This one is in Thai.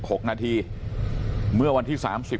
ครับคุณสาวทราบไหมครับ